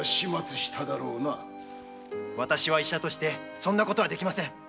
医者としてそんなことはできません。